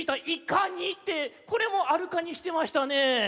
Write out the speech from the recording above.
「い『かに』」ってこれも「あるカニ」してましたねぇ。